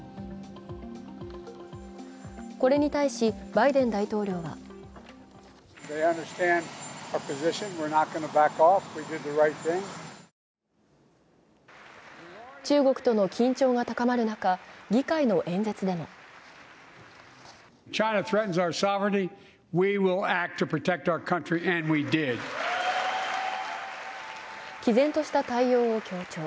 これに対しバイデン大統領は中国との緊張が高まる中、議会の演説でも毅然とした対応を強調。